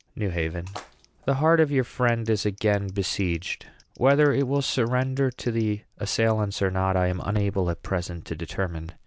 NEW HAVEN. The heart of your friend is again besieged. Whether it will surrender to the assailants or not I am unable at present to determine.